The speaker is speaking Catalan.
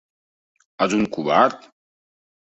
Ets un covard?